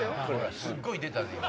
すっごい出たで今。